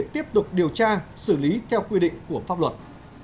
tiếp tục điều tra xử lý theo quy định của pháp luật